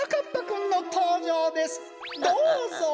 どうぞ！